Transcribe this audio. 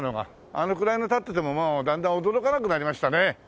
あのくらいの建っててももうだんだん驚かなくなりましたね。